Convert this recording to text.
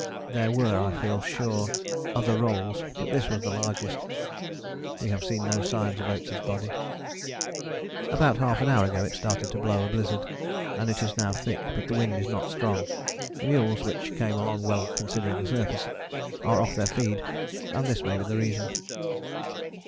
There were, I feel sure, other rolls, but this was the largest. We have seen no sign of Oates' body. About half an hour ago it started to blow a blizzard, and it is now thick, but the wind is not strong. The mules, which came along well considering the surface, are off their feed, and this may be the reason.